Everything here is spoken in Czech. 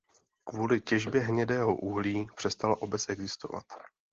Kvůli těžbě hnědého uhlí přestala obec existovat.